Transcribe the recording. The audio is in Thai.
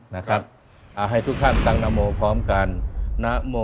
นะครับอ่าให้ทุกท่านตั้งนโมพร้อมกันนะโม